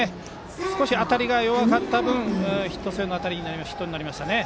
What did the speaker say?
少し当たりが弱かった分ヒット性の当たりになりましたね。